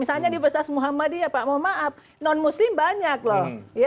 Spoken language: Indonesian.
misalnya di bekas muhammadiyah pak mohon maaf non muslim banyak loh